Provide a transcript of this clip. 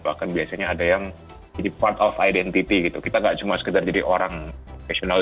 bahkan biasanya ada yang jadi part of identity gitu kita nggak cuma sekedar jadi orang profesional